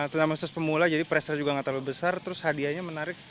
ternama sos pemula jadi pressure juga gak terlalu besar terus hadianya menarik